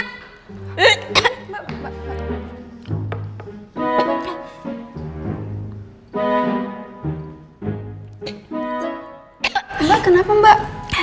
mbak kenapa mbak